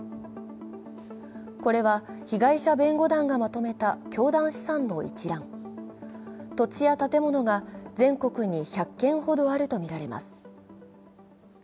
これは被害者弁護団がまとめた教団資産の一覧土地や建物が全国に１００件ほどあるとみられます。